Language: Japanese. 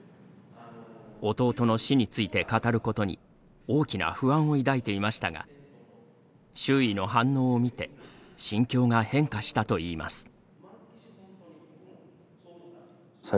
弟の死について語ることに大きな不安を抱いていましたが周囲の反応を見て心境が変化したといいます。